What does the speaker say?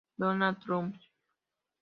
Donald Trump Jr.